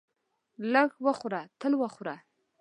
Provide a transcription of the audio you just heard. لږ وخوره تل وخوره.